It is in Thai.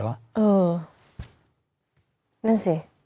เออนั่นสิ